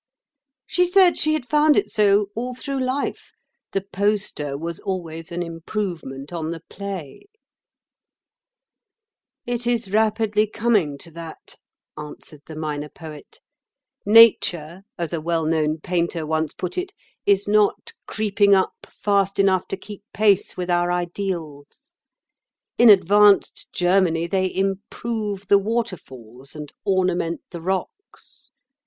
She said she had found it so all through life—the poster was always an improvement on the play." [Picture: The artist knew precisely the sort of girl that ought to be there] "It is rapidly coming to that," answered the Minor Poet. "Nature, as a well known painter once put it, is not 'creeping up' fast enough to keep pace with our ideals. In advanced Germany they improve the waterfalls and ornament the rocks.